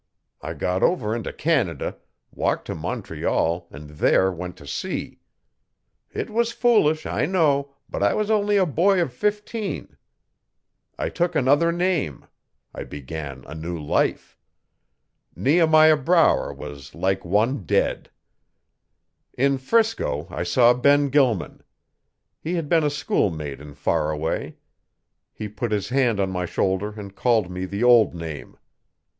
I got over into Canada, walked to Montreal and there went to sea. It was foolish, I know, but I was only a boy of fifteen. I took another name; I began a new life. Nehemiah Brower was like one dead. In 'Frisco I saw Ben Gilman. He had been a school mate in Faraway. He put his hand on my shoulder and called me the old name.